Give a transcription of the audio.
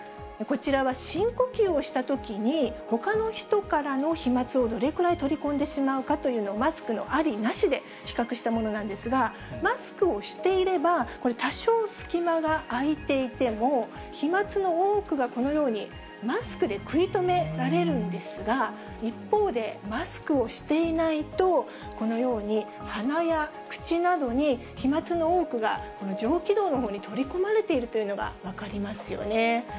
こちらは深呼吸をしたときに、ほかの人からの飛まつをどれぐらい取り込んでしまうかというのを、マスクのあり、なしで比較したものなんですが、マスクをしていれば、これ、多少、隙間が空いていても、飛まつの多くが、このようにマスクで食い止められるんですが、一方で、マスクをしていないと、このように鼻や口などに飛まつの多くが上気道のほうに取り込まれているというのが分かりますよね。